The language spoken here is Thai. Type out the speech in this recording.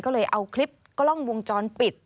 ก็เลยเอาคลิปกล้องวงจรปิด